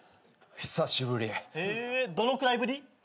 久しぶり。へどのくらいぶり？